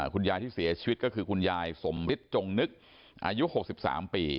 คุณยายที่เสียชีวิตก็คือคุณยายสมฤทธิจงนึกอายุ๖๓ปี